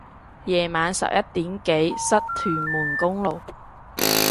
夜晚十一點幾塞屯門公路